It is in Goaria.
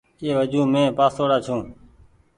اي وجون مين پآسوڙآ ڇو۔